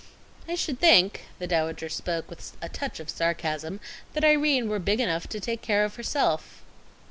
"I should think," the Dowager spoke with a touch of sarcasm, "that Irene were big enough to take care of herself."